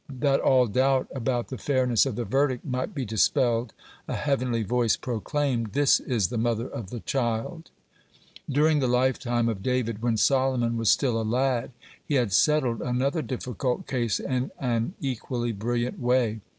That all doubt about the fairness of the verdict might be dispelled, a heavenly voice proclaimed: "This is the mother of the child." (26) During the lifetime of David, when Solomon was still a lad, he had settled another difficult case in an equally brilliant way.